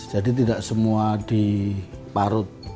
jadi tidak semua diparut